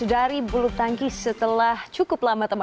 dari bulutangkis setelah cukup lama teman teman